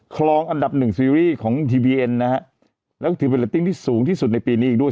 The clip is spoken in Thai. คลองอันดับหนึ่งซีรีส์ของทีวีเอ็นนะฮะแล้วก็ถือเป็นเรตติ้งที่สูงที่สุดในปีนี้อีกด้วย